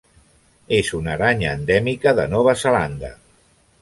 És una aranya endèmica de Nova Zelanda.